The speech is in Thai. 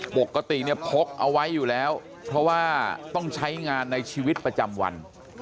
ปกติเนี่ยพกเอาไว้อยู่แล้วเพราะว่าต้องใช้งานในชีวิตประจำวัน